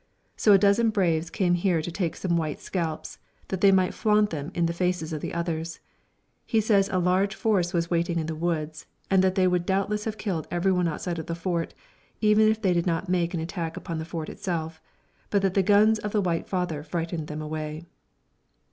So a dozen braves came here to take some white scalps, that they might flaunt them in the faces of the others. He says a large force was waiting in the woods, and that they would doubtless have killed every one outside of the Fort, even if they did not make an attack upon the Fort itself, but that the guns of the White Father frightened them away."